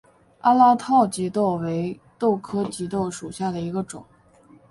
阿拉套棘豆为豆科棘豆属下的一个种。